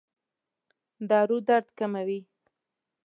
دارو درد کموي؟